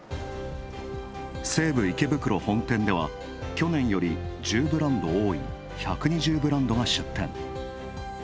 西武池袋本店では、去年より１０ブランド多い１２０ブランドが出店。